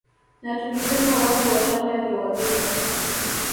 Na tukisema watu wa Tanga ni wavivu